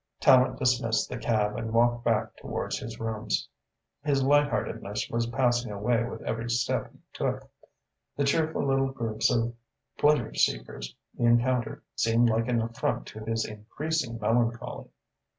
Tallente dismissed the cab and walked back towards his rooms. His light heartedness was passing away with every step he took. The cheerful little groups of pleasure seekers he encountered seemed like an affront to his increasing melancholy.